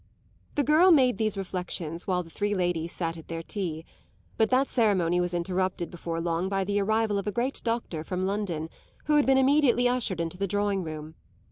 The girl made these reflexions while the three ladies sat at their tea, but that ceremony was interrupted before long by the arrival of the great doctor from London, who had been immediately ushered into the drawing room.